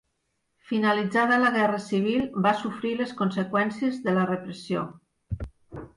Finalitzada la Guerra Civil va sofrir les conseqüències de la repressió.